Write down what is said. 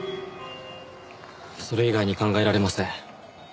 それ以外に考えられません。